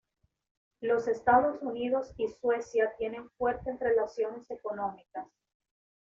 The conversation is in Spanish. Los Estados Unidos y Suecia tienen fuertes relaciones económicas.